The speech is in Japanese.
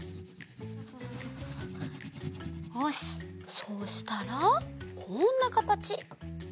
そうしたらこんなかたち。